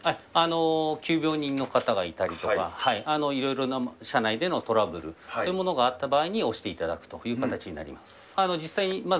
急病人の方がいたりとか、いろいろな車内でのトラブル、そういうものがあった場合に押していただくという形になります。